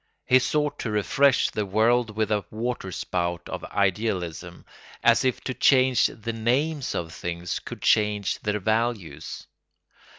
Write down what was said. He sought to refresh the world with a water spout of idealism, as if to change the names of things could change their values.